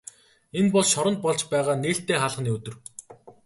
Энэ бол шоронд болж байгаа нээлттэй хаалганы өдөр.